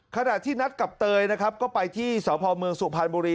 ขณะที่นัดกับเตยนะครับก็ไปที่สพเมืองสุพรรณบุรี